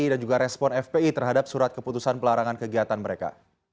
dan juga respon fpi terhadap surat keputusan pelarangan kegiatan mereka